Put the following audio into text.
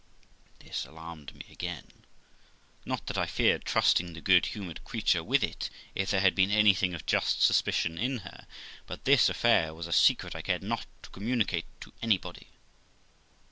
This alarmed me again; not that I feared trusting the good humoured creature with it, if there had been anything of just suspicion in her; but this affair was a secret I cared not to communicate to anybody.